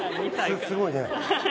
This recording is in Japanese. すごいね。